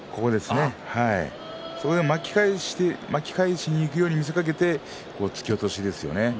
巻き返しにいくように見せかけて突き落とすんですね。